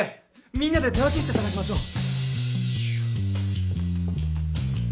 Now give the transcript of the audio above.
みんなで手分けして探しましょう。